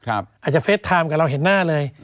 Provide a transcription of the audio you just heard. อาจจะเฟสไทม์กับเราเห็นหน้าเลย